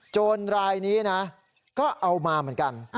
โจรรายนี้นะก็เอามาเหมือนกัน